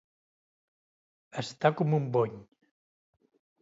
Estar com un bony.